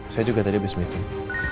saya juga tadi habis meeting